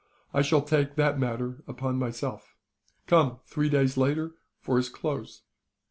I shall take that matter upon myself. Come, three days later, for his clothes.